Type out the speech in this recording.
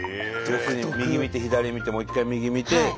右見て左見てもう一回右見て。